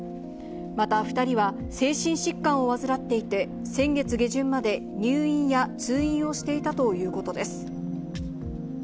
また２人は、精神疾患を患っていて、先月下旬まで入院や通院をしていたということです。